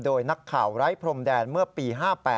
โดยนักข่าวไร้พรมแดนเมื่อปี๕๘